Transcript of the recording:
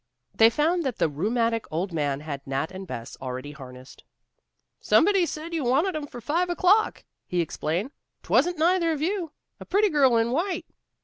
They found that the rheumatic old man had Nat and Bess already harnessed. "Somebody said you wanted 'em for five o'clock," he explained. "'Twasn't neither of you two. A pretty girl in white."